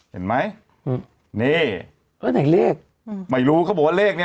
เห็นไหมนี่อ่าไหนเลขหม่ายรู้เขาบอกว่าเลขเนี่ย